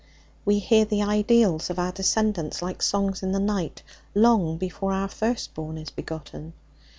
We hear the ideals of our descendants, like songs in the night, long before our firstborn is begotten.